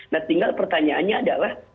nah tinggal pertanyaannya adalah